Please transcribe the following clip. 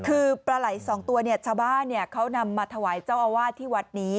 คือปลาไหล่สองตัวเนี่ยชาวบ้านเขานำมาถวายเจ้าอาวาสที่วัดนี้